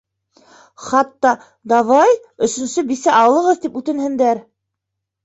Хатта, давай, өсөнсө бисә алығыҙ, тип үтенһендәр.